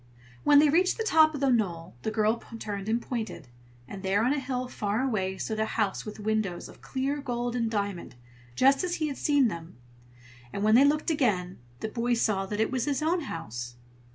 When they reached the top of the knoll, the girl turned and pointed; and there on a hill far away stood a house with windows of clear gold and diamond, just as he had seen them. And when they looked again, the boy saw that it was his own home.